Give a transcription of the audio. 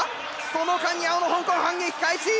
その間に青の香港反撃開始！